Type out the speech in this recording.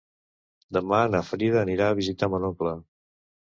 Demà na Frida anirà a visitar mon oncle.